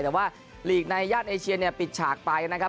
แต่ว่าลีกในย่านเอเชียเนี่ยปิดฉากไปนะครับ